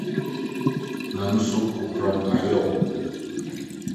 Nanso kokoram ayɛ wo.